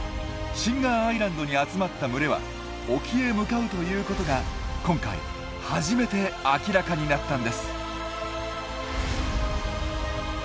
シンガーアイランドに集まった群れは沖へ向かうということが今回初めて明らかになったんです！